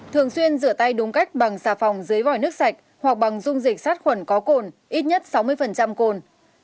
thường xuyên rửa tay đúng cách bằng xà phòng dưới vòi nước sạch hoặc bằng dung dịch sát khuẩn có cồn ít nhất sáu mươi cồn